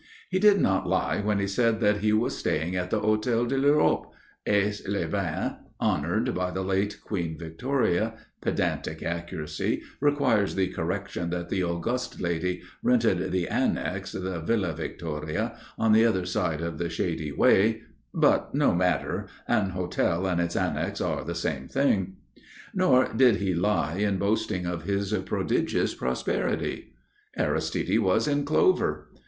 He did not lie when he said that he was staying at the Hôtel de l'Europe, Aix les Bains, honoured by the late Queen Victoria (pedantic accuracy requires the correction that the august lady rented the annexe, the Villa Victoria, on the other side of the shady way but no matter an hotel and its annexe are the same thing) nor did he lie in boasting of his prodigious prosperity. Aristide was in clover.